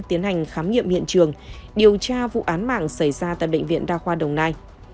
tiến hành khám nghiệm hiện trường điều tra vụ án mạng xảy ra tại bệnh viện đa khoa đồng nai